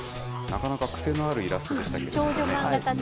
なかなか癖のあるイラストでしたけどもね。